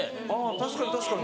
確かに確かに。